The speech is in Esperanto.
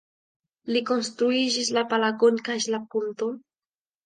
Li konstruigis la palacon kaj la ponton.